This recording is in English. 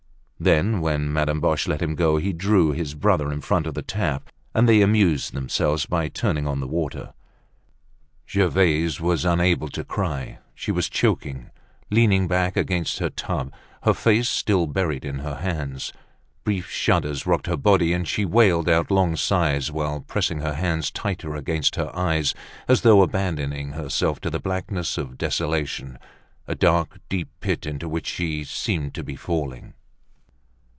Then, when Madame Boche let him go, he drew his brother in front of the tap, and they amused themselves by turning on the water. Gervaise was unable to cry. She was choking, leaning back against her tub, her face still buried in her hands. Brief shudders rocked her body and she wailed out long sighs while pressing her hands tighter against her eyes, as though abandoning herself to the blackness of desolation, a dark, deep pit into which she seemed to be falling.